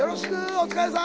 お疲れさん！